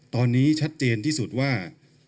ตอนนี้ชัดเจนที่สุดว่า